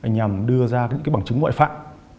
nhằm đưa ra những bằng chứng ngoại phạm